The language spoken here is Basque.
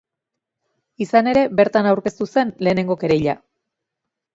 Izan ere, bertan aurkeztu zen lehenengo kereila.